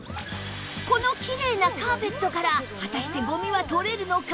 このきれいなカーペットから果たしてゴミは取れるのか？